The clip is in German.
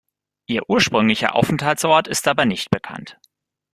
Ihr ursprünglicher Aufenthaltsort ist aber nicht bekannt.